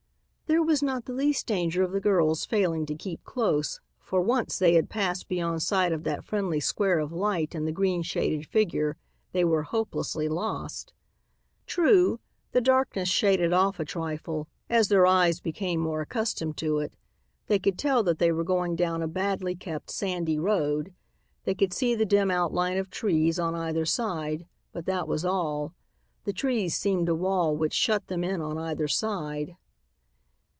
There was not the least danger of the girls' failing to keep close, for, once they had passed beyond sight of that friendly square of light and the green shaded figure, they were hopelessly lost. True, the darkness shaded off a trifle as their eyes became more accustomed to it; they could tell that they were going down a badly kept, sandy road; they could see the dim outline of trees on either side; but that was all. The trees seemed a wall which shut them in on either side.